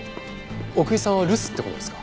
奥居さんは留守って事ですか？